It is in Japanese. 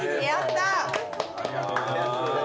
ありがとうございます。